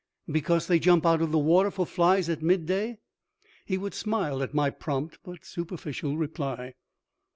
"Because they jump out of the water for flies at mid day." He would smile at my prompt but superficial reply.